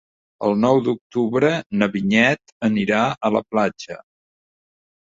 El nou d'octubre na Vinyet anirà a la platja.